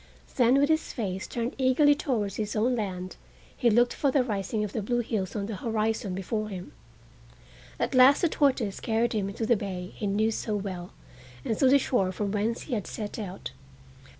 Then, with his face turned eagerly towards his own land, he looked for the rising of the blue hills on the horizon before him. At last the tortoise carried him into the bay he knew so well, and to the shore from whence he had set out.